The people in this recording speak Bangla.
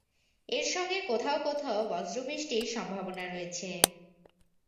এর সঙ্গে কোথাও কোথাও বজ্রবৃষ্টির সম্ভাবনা রয়েছে।